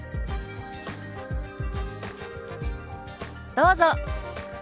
どうぞ。